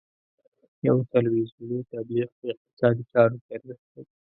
یو تلویزیوني تبلیغ په اقتصادي چارو کې ارزښت لري.